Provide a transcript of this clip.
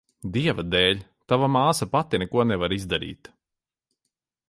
Dieva dēļ, tava māsa pati neko nevar izdarīt.